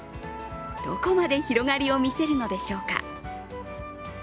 どこまで広がりを見せるのでしょうか。